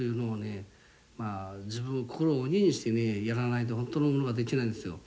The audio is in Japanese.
まあ自分心を鬼にしてねやらないと本当のものが出来ないんですよ。